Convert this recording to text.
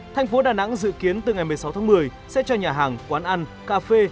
thành phố đà nẵng dự kiến từ ngày một mươi sáu tháng một mươi sẽ cho nhà hàng quán ăn cà phê